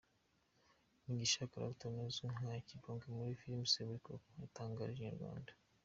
Mugisha Clapton uzwi nka Kibonke muri Filime Seburikoko, yatangarije Inyarwanda.